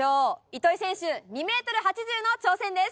糸井選手２ｍ８０の挑戦です。